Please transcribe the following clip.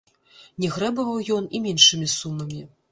Не грэбаваў ён і меншымі сумамі.